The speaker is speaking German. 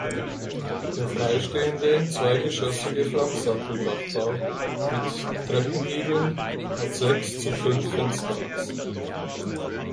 Der freistehende zweigeschossige Flachsatteldachbau mit Treppengiebeln hat sechs zu fünf Fensterachsen.